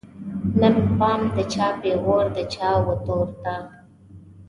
نه مې پام د چا پیغور د چا وتور ته